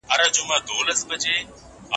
ولې ملي سوداګر ساختماني مواد له ایران څخه واردوي؟